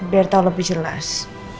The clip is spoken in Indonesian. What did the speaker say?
biar tau lebih jelas